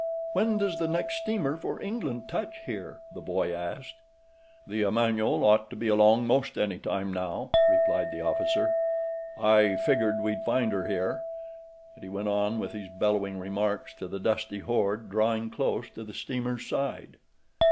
"When does the next steamer for England touch here?" the boy asked. "The Emanuel ought to be along most any time now," replied the officer. "I figgered we'd find her here," and he went on with his bellowing remarks to the dusty horde drawing close to the steamer's side.